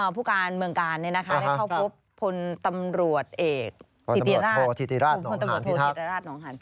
ผู้การเมืองการได้เข้าพบพลตำรวจเอกธิติราชหนองหางธิทัก